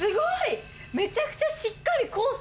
めちゃくちゃしっかりコース。